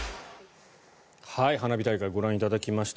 花火大会ご覧いただきました。